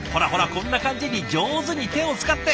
こんな感じに上手に手を使って。